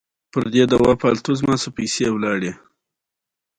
ډيپلومات د ښو اړیکو پلوی وي.